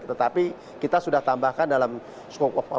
tetapi kita sudah tambahkan dalam skop pekerjaan mereka